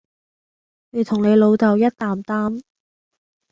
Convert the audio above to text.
你同你老豆一擔擔